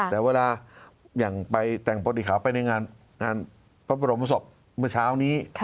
แต่เวลาอย่างไปแต่งปฏิขาวไปในงานพระบรมศพเมื่อเช้านี้